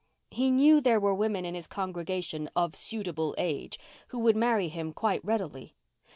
He knew there were women in his congregation "of suitable age" who would marry him quite readily.